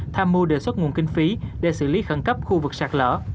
tham mưu đề xuất nguồn kinh phí để xử lý khẩn cấp khu vực sạt lở